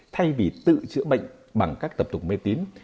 thay vì tự chữa bệnh bằng các tập tục mê tín